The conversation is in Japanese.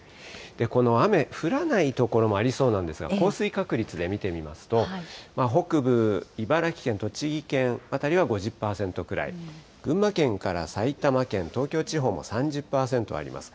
この雨、降らない所もありそうなんですが、降水確率で見てみますと、北部、茨城県、栃木県辺りは５０％くらい、群馬県から埼玉県、東京地方も３０％あります。